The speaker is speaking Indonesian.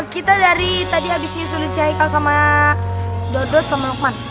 kita dari tadi habisnya sulit cek sama dodot sama lukman